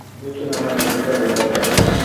Бөтә нәмәне бергә болғайҙар!